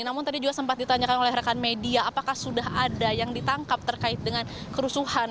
namun tadi juga sempat ditanyakan oleh rekan media apakah sudah ada yang ditangkap terkait dengan kerusuhan